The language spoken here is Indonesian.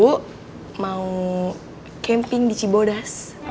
bu mau camping di cibodas